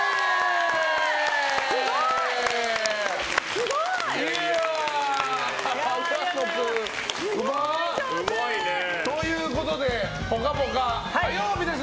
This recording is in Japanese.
すごい！うまいね。ということで「ぽかぽか」火曜日です。